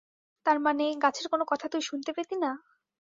তার মানে, গাছের কোনো কথা তুই শুনতে পেতি না?